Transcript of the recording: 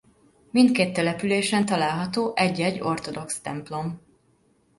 Mindkét településen található egy-egy ortodox templom.